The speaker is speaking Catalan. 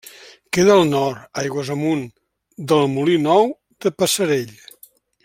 Queda al nord, aigües amunt, del Molí Nou de Passerell.